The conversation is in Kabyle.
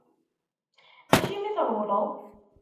Acimi i trewleḍ?